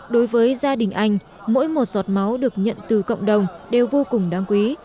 đối với gia đình anh mỗi một giọt máu được nhận từ cộng đồng đều vô cùng đáng quý